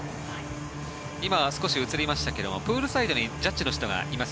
今、少し映りましたがプールサイドにジャッジの人がいます。